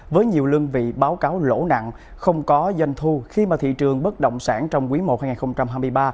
với nhiều lương vị báo cáo lỗ nặng không có doanh thu khi mà thị trường bất động sản trong quý i hai nghìn hai mươi ba